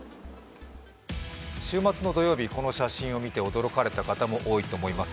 週末の土曜日、この写真を見て驚かれた方も多いと思います。